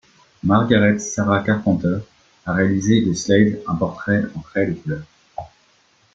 Margaret Sarah Carpenter a réalisé de Slade un portrait en craie de couleur.